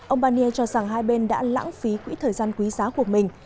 ông barnier cho rằng hai bên đã lãng phí quỹ thời gian quý giá của mình